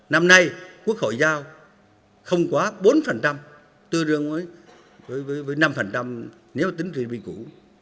năm nay quốc hội giao không quá bốn tư rương với năm nếu tính từ vĩ củ